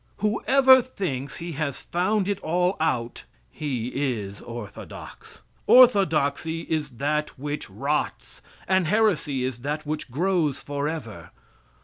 Whoever thinks he has found it all out he is orthodox. Orthodoxy is that which rots, and heresy is that which grows forever.